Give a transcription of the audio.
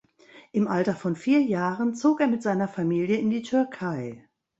Im Alter von vier Jahren zog er mit seiner Familie in die Türkei.